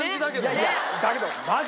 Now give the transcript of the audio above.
いやいやだけどマジ？